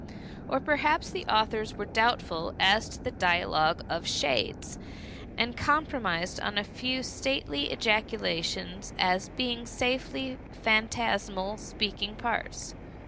Or perhaps the authors were doubtful as to the dialogue of shades, and compromised on a few stately ejaculations as being safely phantasmal speaking parts.